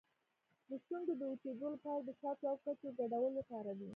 د شونډو د وچیدو لپاره د شاتو او کوچو ګډول وکاروئ